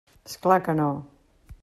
És clar que no.